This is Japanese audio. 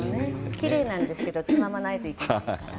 きれいだけどつままないといけないから。